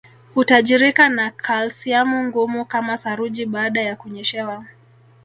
Hutajirika na kalsiamu ngumu kama saruji baada ya kunyeshewa